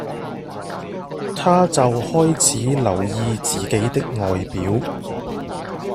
她就開始留意自己的外表